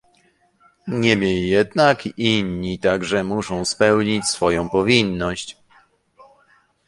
Niemniej jednak inni także muszą spełnić swoją powinność